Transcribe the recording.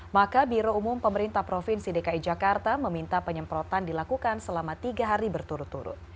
maka biro umum pemerintah provinsi dki jakarta meminta penyemprotan dilakukan selama tiga hari berturut turut